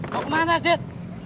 mau kemana dit